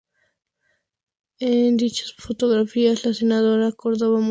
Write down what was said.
En dichas fotografías la senadora Córdoba mostró un ambiente de familiaridad que causó controversia.